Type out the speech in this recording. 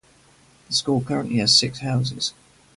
The school currently has six houses.